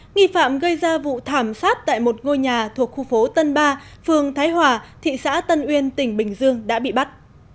nghi phạm gây ra vụ thảm sát tại một ngôi nhà thuộc khu phố tân ba phường thái hòa thị xã tân uyên tỉnh bình dương đã bị bắt